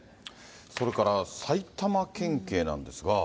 それから、埼玉県警なんですが。